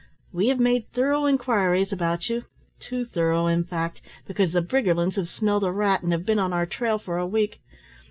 "We have made thorough inquiries about you, too thorough in fact, because the Briggerlands have smelt a rat, and have been on our trail for a week.